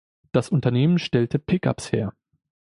Das Unternehmen stellte Pickups her.